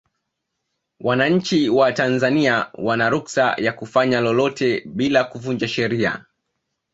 wananchi wa tanzania wana ruksa ya kufanya lolote bila kuvunja sheria